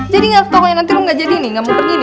jadi gak setoknya nanti lu gak jadi ini gak mau pergi ini